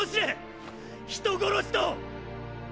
人殺しと！！